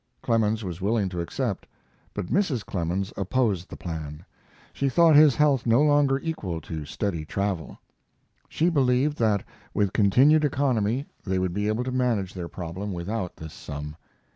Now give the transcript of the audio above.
Clemens was willing to accept, but Mrs. Clemens opposed the plan. She thought his health no longer equal to steady travel. She believed that with continued economy they would be able to manage their problem without this sum.